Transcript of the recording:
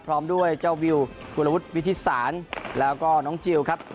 พร้อมด้วยเจ้าวิวกุลวุฒิวิทธิศาลแล้วก็น้องจิลครับ